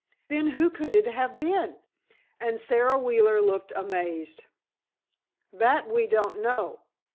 "Then who could it have been?" and Sara Wheeler looked amazed. "That we don't know.